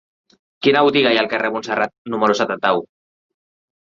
Quina botiga hi ha al carrer de Montserrat número setanta-u?